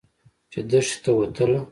چې دښتې ته وتله.